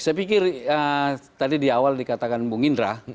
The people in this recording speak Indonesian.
saya pikir tadi di awal dikatakan bung indra